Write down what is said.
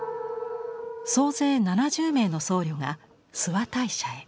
総勢７０名の僧侶が諏訪大社へ。